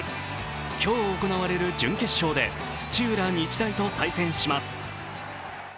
今日行われる準決勝で土浦日大と対戦します。